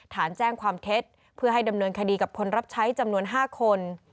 ฐานแจ้งความเท็จเพื่อให้ดำเนินคดีกับคนรับใช้จำนวน๕คน